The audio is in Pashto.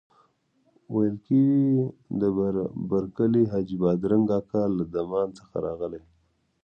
ویل کېږي د برکلي حاجي بادرنګ اکا له دمان څخه راغلی.